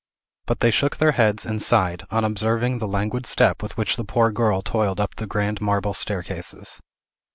But they shook their heads and sighed, on observing the languid step with which the poor girl toiled up the grand marble staircases.